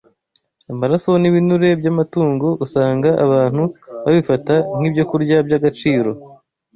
Amaraso n’ibinure by’amatungo usanga abantu babifata nk’ibyokurya by’agaciro